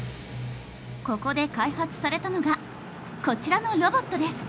ここで開発されたのがこちらのロボットです。